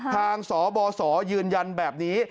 สบสยืนยันแบบนี้